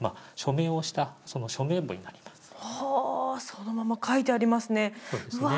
そのまま書いてありますねうわ